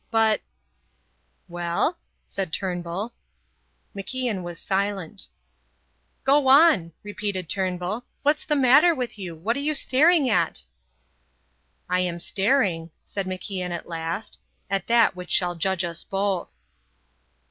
But " "Well?" said Turnbull. MacIan was silent. "Go on," repeated Turnbull; "what's the matter with you? What are you staring at?" "I am staring," said MacIan at last, "at that which shall judge us both."